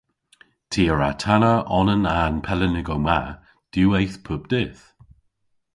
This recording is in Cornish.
Ty a wra tanna onan a'n pelennigow ma diwweyth pub dydh.